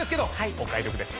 お買い得です